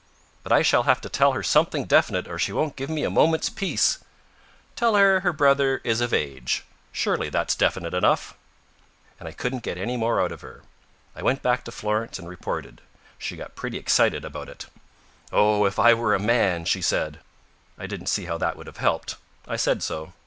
"But I shall have to tell her something definite, or she won't give me a moment's peace." "Tell her her brother is of age. Surely that's definite enough?" And I couldn't get any more out of her. I went back to Florence and reported. She got pretty excited about it. "Oh, if I were a man!" she said. I didn't see how that would have helped. I said so.